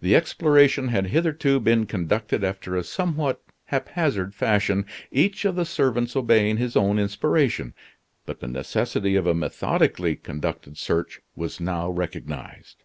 The exploration had hitherto been conducted after a somewhat haphazard fashion, each of the servants obeying his own inspiration; but the necessity of a methodically conducted search was now recognized.